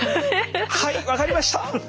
はい分かりました！